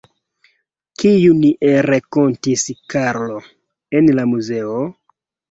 Kiun renkontis Karlo en la muzeo?